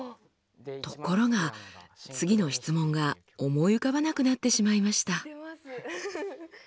ところが次の質問が思い浮かばなくなってしまいました。